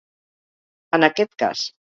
En aquest cas.